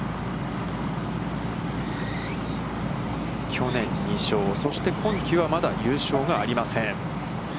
去年２勝、そして今季は、まだ優勝がありません。